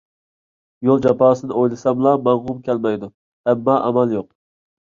يول جاپاسىنى ئويلىساملا ماڭغۇم كەلمەيدۇ. ئەمما ئامال يوق.